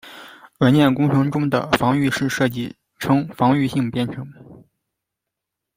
软体工程中的防御式设计称防御性编程。